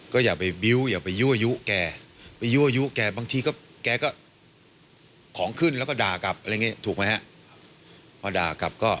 ก็อย่าไปบิ้วค์อย่าไปยั่วยุ่งแกกไปยั่วยุ่งแกบางทีแกก็ของขึ้นเดียวนะ